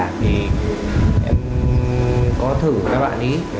thì em có thử các bạn ấy